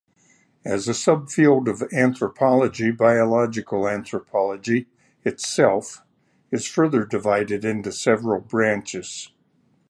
As a subfield of anthropology, biological anthropology itself is further divided into several branches.